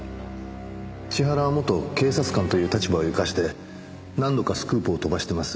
千原は元警察官という立場を生かして何度かスクープを飛ばしてます。